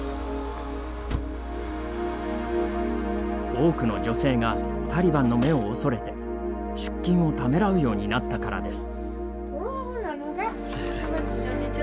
多くの女性がタリバンの目を恐れて、出勤をためらうようになったからです。